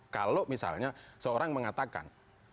kalau misalnya seorang mengatakan